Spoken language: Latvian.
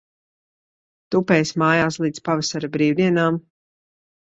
Tupēsi mājās līdz pavasara brīvdienām.